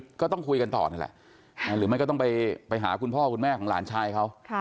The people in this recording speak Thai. ก็ต้องคุยกันต่อนั่นแหละหรือไม่ก็ต้องไปหาคุณพ่อคุณแม่ของหลานชายเขา